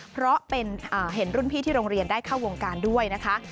เพราะเห็นรุ่นพี่ที่โรงเรียนได้เข้าวงการด้วยนะคะ